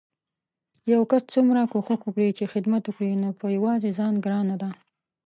يو کس څومره کوښښ وکړي چې خدمت وکړي نو په يوازې ځان ګرانه ده